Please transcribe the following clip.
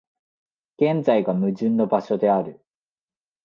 現在が矛盾の場所である。